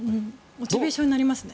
モチベーションになりますね。